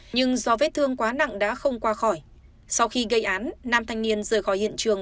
nhưng do vết thương quá nặng đã không qua khỏi sau khi gây án nam thanh niên rời khỏi hiện trường